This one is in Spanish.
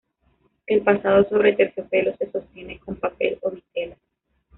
El pasado sobre terciopelo se sostiene con papel o vitela.